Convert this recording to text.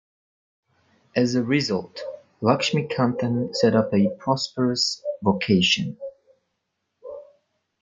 As a result, Lakshmikanthan set up a prosperous vocation.